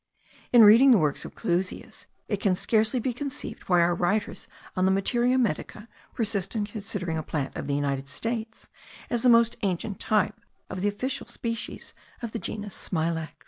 In reading the works of Clusius, it can scarcely be conceived why our writers on the Materia Medica persist in considering a plant of the United States as the most ancient type of the officinal species of the genus smilax.